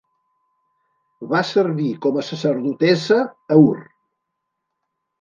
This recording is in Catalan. Va servir com a sacerdotessa a Ur.